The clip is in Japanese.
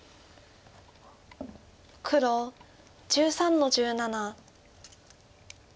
黒１３の十七。